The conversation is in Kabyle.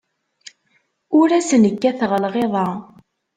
Ur asen-kkateɣ lɣiḍa.